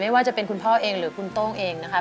ว่าจะเป็นคุณพ่อเองหรือคุณโต้งเองนะครับ